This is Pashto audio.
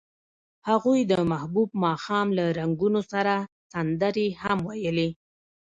هغوی د محبوب ماښام له رنګونو سره سندرې هم ویلې.